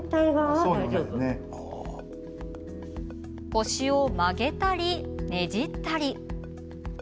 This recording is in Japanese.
腰を曲げたり、ねじったり。